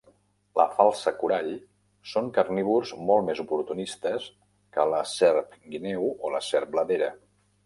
La falsa corall són carnívors molt més oportunistes que la serp guineu o la serp bladera.